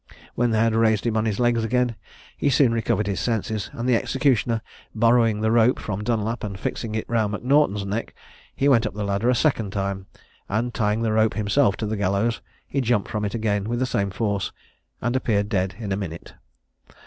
When they had raised him on his legs again, he soon recovered his senses; and the executioner borrowing the rope from Dunlap, and fixing it round M'Naughton's neck, he went up the ladder a second time, and tying the rope himself to the gallows, he jumped from it again with the same force, and appeared dead in a minute.